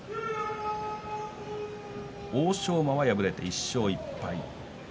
欧勝馬は敗れて１勝１敗。